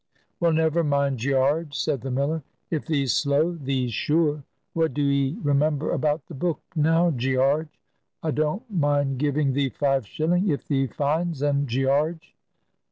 "Well, never mind, Gearge," said the miller; "if thee's slow, thee's sure. What do 'ee remember about the book, now, Gearge? A don't mind giving thee five shilling, if thee finds un, Gearge."